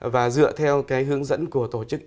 và dựa theo cái hướng dẫn của tổ chức